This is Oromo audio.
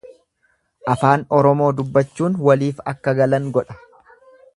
Afaan Oromoo dubbachuun waliif akka galan godha.